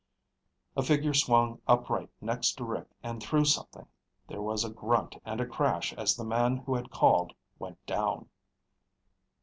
A figure swung upright next to Rick and threw something. There was a grunt and a crash as the man who had called went down.